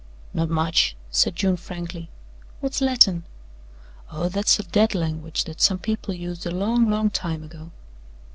"Not much," said June frankly. "What's Latin?" "Oh, that's a dead language that some people used a long, long time ago."